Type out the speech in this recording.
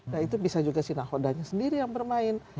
nah itu bisa juga sinarhodanya sendiri yang bermain